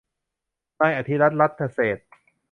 นายอธิรัฐ รัตนเศรษฐ